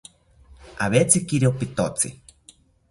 Awetzikiro pitotzi